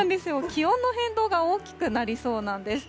気温の変動が大きくなりそうなんです。